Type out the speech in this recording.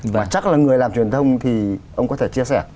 và chắc là người làm truyền thông thì ông có thể chia sẻ